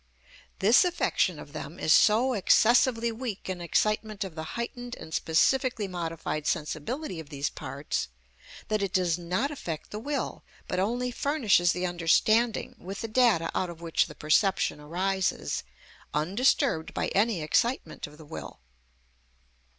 This affection of them is so excessively weak an excitement of the heightened and specifically modified sensibility of these parts that it does not affect the will, but only furnishes the understanding with the data out of which the perception arises, undisturbed by any excitement of the will.